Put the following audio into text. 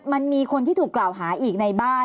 มันมีคนที่ถูกกล่าวหาอีกในบ้าน